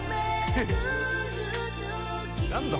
何だ？